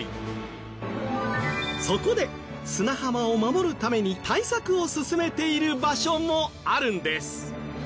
そこで砂浜を守るために対策を進めている場所もあるんです。